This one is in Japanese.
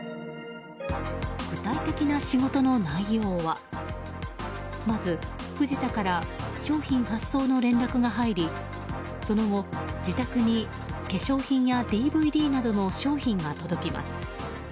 具体的な仕事の内容はまず、藤田から商品発送の連絡が入りその後、自宅に化粧品やＤＶＤなどの商品が届きます。